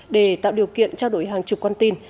để tạo điều kiện trao đổi hàng chục con tin